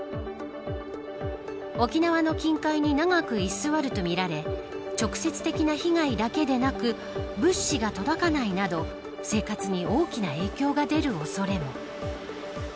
沖縄の近海に長く居座るとみられ直接的な被害だけではなく物資が届かないなど生活に大きな影響が出る恐れも。